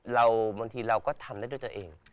บางทีเราก็ทำได้ด้วยตัวเอง